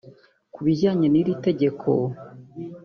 Ku bijyanye n’iri tegeko